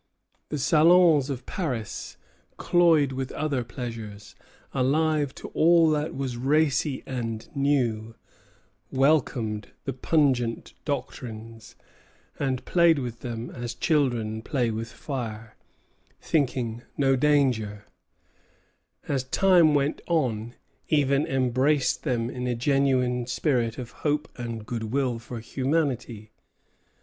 The salons of Paris, cloyed with other pleasures, alive to all that was racy and new, welcomed the pungent doctrines, and played with them as children play with fire, thinking no danger; as time went on, even embraced them in a genuine spirit of hope and good will for humanity.